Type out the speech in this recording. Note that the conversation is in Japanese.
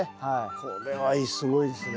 これはいいすごいですね。